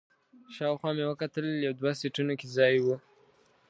شاوخوا مې وکتل، یو دوه سیټونو کې ځای و.